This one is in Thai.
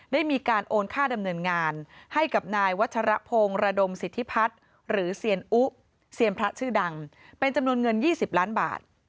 ได้มีการโอนค่าดำเนินงานให้กับนายวัชรพงศ์ระดมสิทธิพัฒน์หรือเซียนอุเซียนพระชื่อดังเป็นจำนวนเงิน๒๐ล้านบาท